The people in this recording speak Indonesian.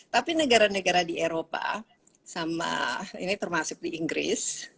tapi negara negara di eropa sama ini termasuk di inggris